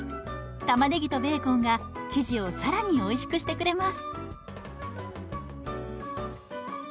玉ねぎとベーコンが生地を更においしくしてくれます。